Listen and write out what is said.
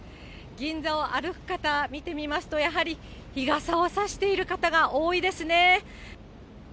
銀座を歩く方、見てみますと、やはり日傘を差している方が多いですね。